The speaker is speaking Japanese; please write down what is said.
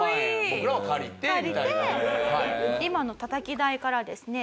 今のたたき台からですね